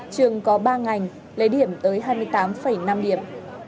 trường có ba ngành lấy điểm tới hai mươi tám năm điểm